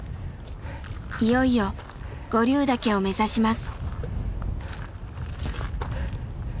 いよいよ五竜岳を目指します。